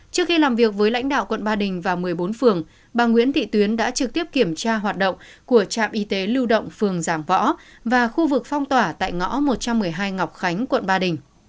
trước khi làm việc với lãnh đạo quận ba đình và một mươi bốn phường bà nguyễn thị tuyến đã trực tiếp kiểm tra hoạt động của trạm y tế lưu động phường giảng võ và khu vực phong tỏa tại ngõ một trăm một mươi hai ngọc khánh quận ba đình